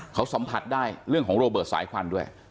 เขาสัมผัสได้เรื่องของโรเบิร์ตสายควันด้วย